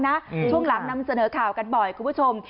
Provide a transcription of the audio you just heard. เวลาส่งข้าวนั้นนำเสนอข่าวกันบ่อยคุณผู้ชม